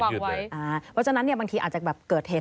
เพราะฉะนั้นบางทีอาจจะเกิดเหตุ